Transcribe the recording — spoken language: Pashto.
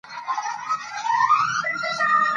سانتیاګو یو معنوي سفر پیلوي.